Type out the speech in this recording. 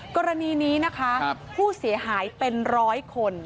กรณีนี้นะคะผู้เสียหายเป็นร้อยคน